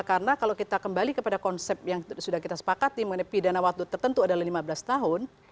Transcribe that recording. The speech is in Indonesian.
karena kalau kita kembali kepada konsep yang sudah kita sepakati mengenai pidana waktu tertentu adalah lima belas tahun